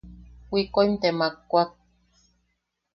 Wikoʼim te makwak.